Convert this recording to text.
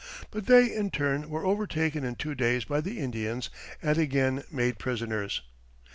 But they, in turn, were overtaken in two days by the Indians and again made prisoners.